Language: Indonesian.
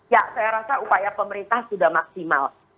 ya saya rasa upaya pemerintah sudah maksimal